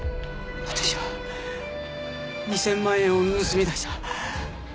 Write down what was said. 私は２０００万円を盗み出した。